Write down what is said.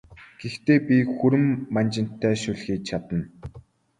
Гэхдээ би хүрэн манжинтай шөл хийж чадна!